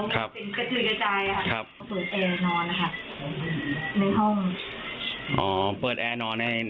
พ่อบอกไม่ดีจะทำเหมือนก็คติไม่ดี